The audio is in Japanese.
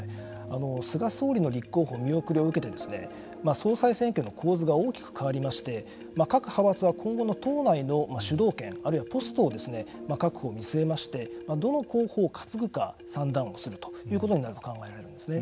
菅総理の立候補見送りを受けて総裁選挙の構図が大きく変わりまして各派閥は今後の党内の主導権、あるいはポストを確保を見据えましてどの候補を担ぐか算段をするということになると考えられるんですね。